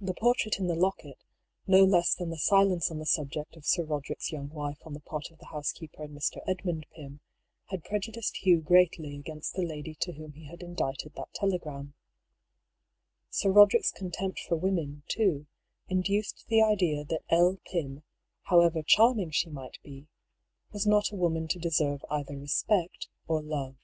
The portrait in the locket, no less than the silence on the subject of Sir Roderick's young wife on the part of the housekeeper and Mr. Edmund Pym, had preju diced Hugh greatly against the lady to whom he had indited that telegram. Sir Roderick's contempt for women, too, induced the idea that L. Pym, however charming she might be, was not a woman to deserve either respect or love.